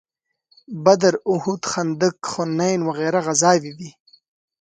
بدر، احد، خندق، حنین وغیره غزاوې وې.